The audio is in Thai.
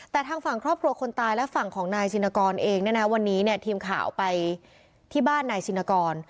แต่ทางฝั่งครอบครัวคนตายและฝั่งของนายชินกรเองเนี่ยนะวันนี้เนี่ยทีมข่าวไปที่บ้านนายชินกร